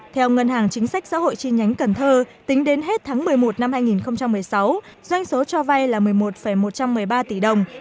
theo ngân hàng chính sách xã hội chi nhánh cần thơ tính đến hết tháng một mươi một năm hai nghìn một mươi sáu doanh số cho vay là một mươi một một trăm một mươi ba tỷ đồng